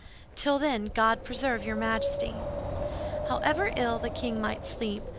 "Till then, God preserve your Majesty!" However ill the king might sleep, M.